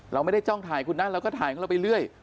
เราไม่ได้จ้องถ่ายคุณนะเราก็ถ่ายของเราไปเรื่อย